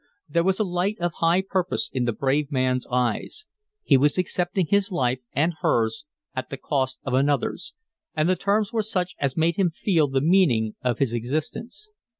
There was a light of high purpose in the brave man's eyes; he was accepting his life and hers at the cost of another's, and the terms were such as made him feel the meaning of his existence.